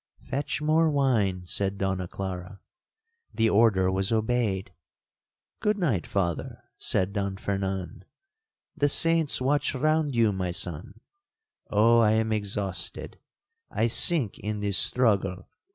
'—'Fetch more wine,' said Donna Clara.—The order was obeyed.—'Good night, Father,' said Don Fernan.—'The saints watch round you, my son! Oh I am exhausted!—I sink in this struggle!